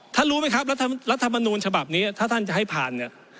รู้ไหมครับรัฐมนูลฉบับนี้ถ้าท่านจะให้ผ่านเนี่ย